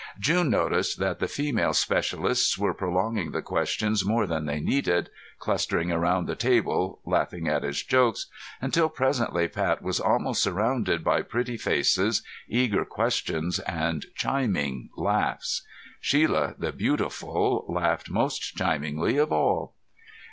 June noticed that the female specialists were prolonging the questions more than they needed, clustering around the table laughing at his jokes, until presently Pat was almost surrounded by pretty faces, eager questions, and chiming laughs. Shelia the beautiful laughed most chimingly of all.